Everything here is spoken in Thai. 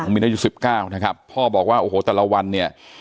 มินอายุ๑๙นะครับพ่อบอกว่าโอ้โหแต่ละวันเนี่ย